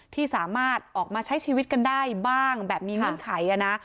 ที่สามารถออกมาใช้ชีวิตกันได้บ้างแบบมีเงื่อนไขนะ